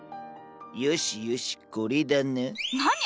よしよしこれだな。